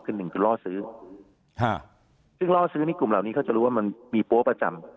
คือหนึ่งคือล่อซื้อฮะซึ่งล่อซื้อในกลุ่มเหล่านี้เขาจะรู้ว่ามันมีโป๊ประจำ